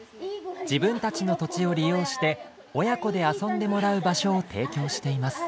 自分たちの土地を利用して親子で遊んでもらう場所を提供しています。